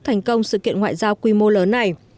thành công sự kiện ngoại giao quy mô lớn này